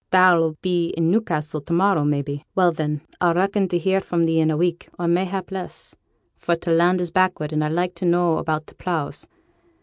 Thou'll be i' Newcassel to morrow, may be? Well, then, I'll reckon to hear fro' thee in a week, or, mayhap, less, for t' land is backward, and I'd like to know about t' pleughs.